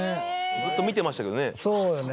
ずっと見てましたけどね。